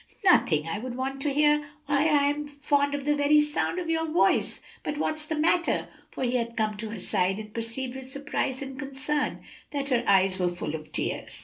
"Nothing that I would want to hear? why, I am fond of the very sound of your voice. But what's the matter?" for he had come to her side, and perceived with surprise and concern that her eyes were full of tears.